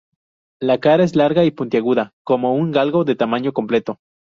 La cara es larga y puntiaguda, como un galgo de tamaño completo.